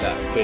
làm sáng tỏ